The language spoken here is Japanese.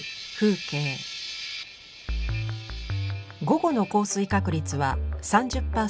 午後の降水確率は３０％。